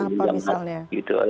oke apa misalnya